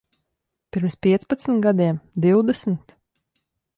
Pirms piecpadsmit gadiem? Divdesmit?